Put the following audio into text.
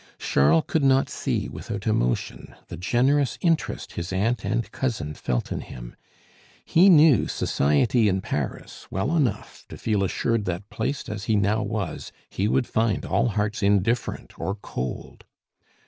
Charles could not see without emotion the generous interest his aunt and cousin felt in him; he knew society in Paris well enough to feel assured that, placed as he now was, he would find all hearts indifferent or cold.